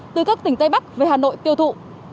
từ các tỉnh tây bắc về hà nội tiêu thụ